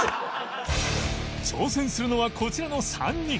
挑戦するのはこちらの３人